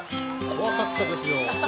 怖かったですよ。